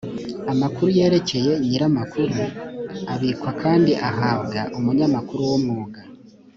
amakuru yerekeye nyir’amakuru abikwa kandi ahabwa umunyamakuru w’umwuga